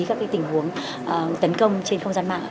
các tình huống tấn công trên không gian mạng